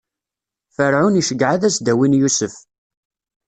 Ferɛun iceggeɛ ad as-d-awin Yusef.